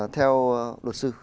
theo luật sư